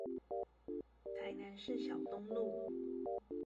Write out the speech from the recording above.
台南市小東路